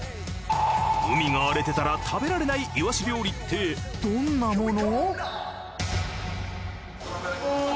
海が荒れてたら食べられないいわし料理ってどんなもの？